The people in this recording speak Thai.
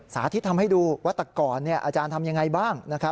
สาธิตทำให้ดูวัตกรอาจารย์ทำอย่างไรบ้าง